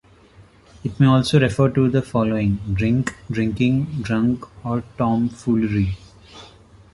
It may also refer to the following: drink, drinking, drunk, or tom foolery.